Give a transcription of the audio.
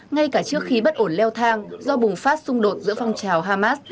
ngay cả trước khi bất ổn leo thang do bùng phát xung đột giữa phong trào hamas